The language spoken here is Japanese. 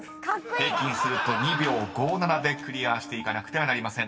［平均すると２秒５７でクリアしていかなくてはなりません。